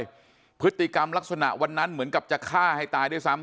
พฤติกรรมลักษณะวันนั้นเหมือนกับจะฆ่าให้ตายด้วยซ้ำ